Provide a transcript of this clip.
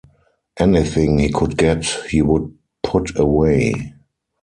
Anything he could get he would put away.